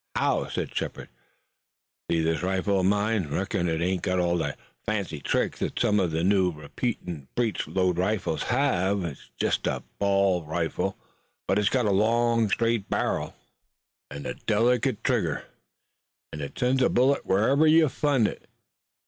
"How?" "See this rifle uv mine? I reckon it ain't got all the fancy tricks that some uv the new repeatin' breech loadin' rifles hev. It's jest a cap an' ball rifle, but it's got a long, straight barrel an' a delicate trigger, an' it sends a bullet wherever you p'int it.